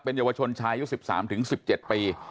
เป็นเยาวชนชายุค๑๓๑๗ปี